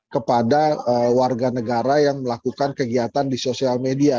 kepada warga negara yang melakukan kegiatan di sosial media